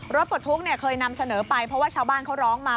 ปลดทุกข์เคยนำเสนอไปเพราะว่าชาวบ้านเขาร้องมา